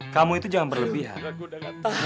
kamu itu jangan berlebihan